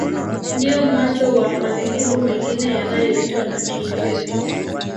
Ndio mwanzo wa madhehebu mengine yanayoitwa ya Kiinjili